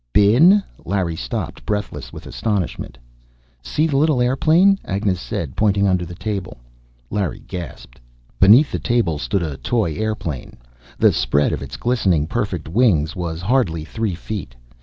"Been " Larry stopped, breathless with astonishment. "See the little airplane," Agnes said, pointing under the table. Larry gasped. Beneath the table stood a toy airplane. The spread of its glistening, perfect wings was hardly three feet.